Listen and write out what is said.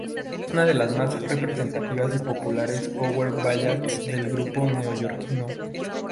Es una de las más representativas y populares power ballads del grupo neoyorquino.